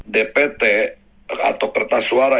dpt atau kertas suara